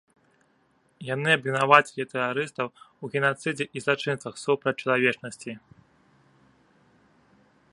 Яны абвінавацілі тэрарыстаў у генацыдзе і злачынствах супраць чалавечнасці.